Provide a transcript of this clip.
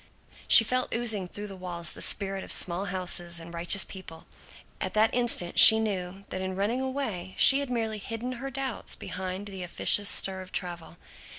She felt oozing through the walls the spirit of small houses and righteous people. At that instant she knew that in running away she had merely hidden her doubts behind the officious stir of travel.